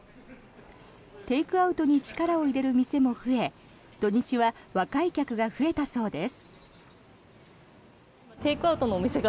テイクアウトに力を入れる店も増え土日は若い客が増えたそうです。